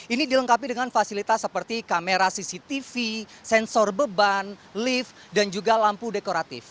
ini dilengkapi dengan fasilitas seperti kamera cctv sensor beban lift dan juga lampu dekoratif